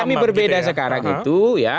yang kami berbeda sekarang itu